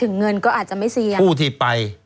คุณนิวจดไว้หมื่นบาทต่อเดือนมีค่าเสี่ยงให้ด้วย